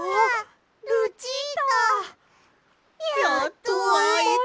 やっとあえた！